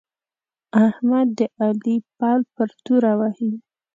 احمد د علي پل پر توره وهي.